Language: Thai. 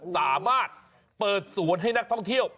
สามารถเปิดสวนให้นักท่องเที่ยว